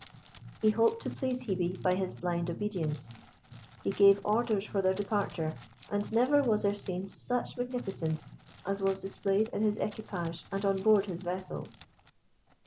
He hoped to please Hebe by his blind obedience. He gave orders for their departure, and never was there seen such magnificence as was displayed in his equipage and on board his vessels.